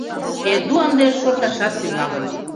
— Эду ынде шорташат тӱҥалын.